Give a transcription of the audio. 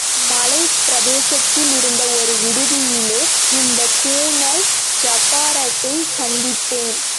மலைப் பிரதேசத்திலே இருந்த ஒரு விடுதியிலே, இந்தக் கூனன் ஜபாரக்கைச் சந்தித்தேன்.